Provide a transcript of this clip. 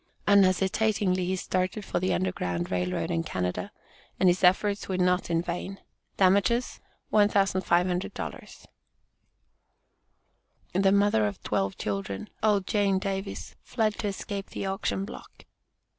Unhesitatingly, he started for the Underground Rail Road and Canada and his efforts were not in vain. Damages, $1,500. "THE MOTHER OF TWELVE CHILDREN." OLD JANE DAVIS FLED TO ESCAPE THE AUCTION BLOCK.